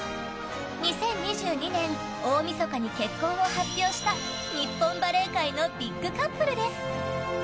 ２０２２年大みそかに結婚を発表した日本バレー界のビッグカップルです。